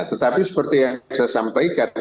tetapi seperti yang saya sampaikan